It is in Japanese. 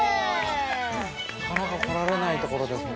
◆なかなか来られないところですね。